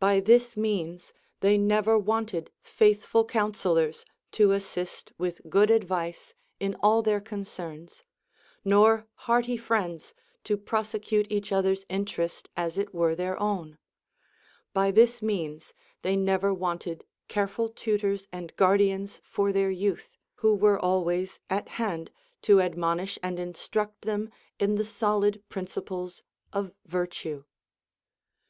By this means they never wanted faithful counsellors to assist \vith good advice in all their concerns, nor hearty friends to prosecute each other's inter est as it were their own ; by this means they never wanted CUSTOMS OF THE LACEDAEMONIANS. 89 careful tutors and guardians for their youth, who were always at hand to admonish and instruct them in the solid principles of virtue.